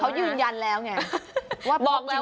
ต้องใช้ใจฟัง